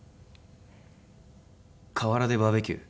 河原でバーベキュー。